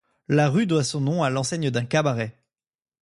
La rue doit son nom à l'enseigne d'un cabaret.